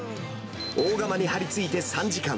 大釜に張りついて３時間。